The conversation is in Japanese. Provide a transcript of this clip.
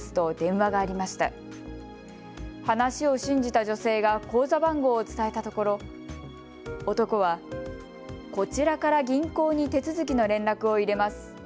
話を信じた女性が口座番号を伝えたところ男はこちらから銀行に手続きの連絡を入れます。